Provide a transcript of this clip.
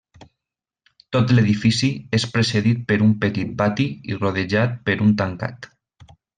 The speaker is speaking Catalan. Tot l'edifici és precedit per un petit pati i rodejat per un tancat.